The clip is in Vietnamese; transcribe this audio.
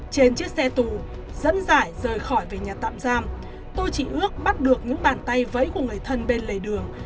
trên chiếc xe tù dẫn giải rời khỏi về nhà tạm giam tôi chỉ ước bắt được những bàn tay vẫy của người thân bên lề đường